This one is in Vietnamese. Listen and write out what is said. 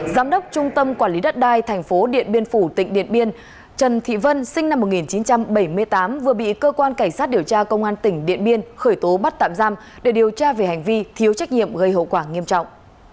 giám đốc trung tâm quản lý đất đai tp điện biên phủ tỉnh điện biên trần thị vân sinh năm một nghìn chín trăm bảy mươi tám vừa bị cơ quan cảnh sát điều tra công an tỉnh điện biên khởi tố bắt tạm giam để điều tra về hành vi thiếu trách nhiệm gây hậu quả nghiêm trọng